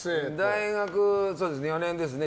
大学４年ですね